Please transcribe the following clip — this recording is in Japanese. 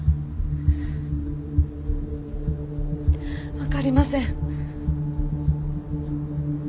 わかりません。